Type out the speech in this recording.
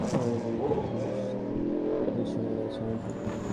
অবিশ্বাস্যভাবে এমন লুণ্ঠিত হওয়ার অনুভূতিটা ঘুচতে বাংলাদেশের সময় লেগেছে অনেক দিন।